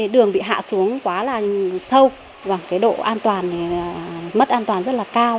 đường bị hạ xuống quá là sâu và cái độ an toàn thì mất an toàn rất là cao